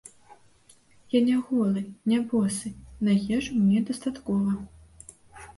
Я не голы, не босы, на ежу мне дастаткова.